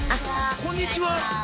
こんにちは。